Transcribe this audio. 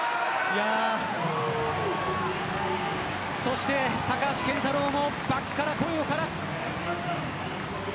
そして高橋健太郎もバックから声を枯らす。